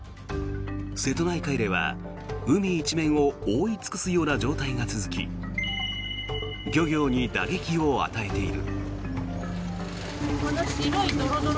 瀬戸内海では海一面を覆い尽くすような状態が続き漁業に打撃を与えている。